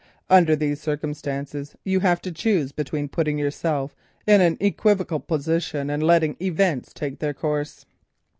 Under these circumstances you have to choose between putting yourself in an equivocal position and letting events take their course.